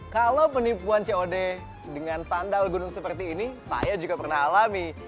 kalau penipuan cod dengan sandal gunung seperti ini saya juga pernah alami